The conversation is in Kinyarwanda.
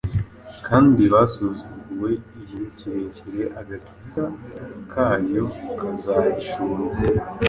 kandi basuzuguwe igihe kirekire, agakiza kayo kazahishurwa.